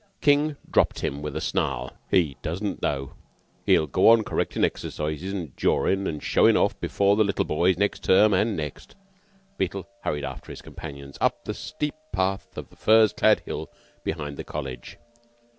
King dropped him with a snarl. "He doesn't know. He'll go on correctin' exercises an' jawin' an' showin' off before the little boys next term and next." Beetle hurried after his companions up the steep path of the furze clad hill behind the College.